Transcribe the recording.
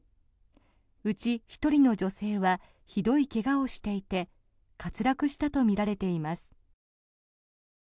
うち１人の女性はひどい怪我をしていて滑落したとみられています。